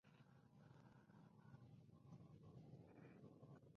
Fue compañero de vida de Yolanda Colom.